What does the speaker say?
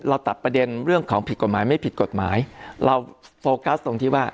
ตัดประเด็นเรื่องของผิดกฎหมายไม่ผิดกฎหมายเราโฟกัสตรงที่ว่า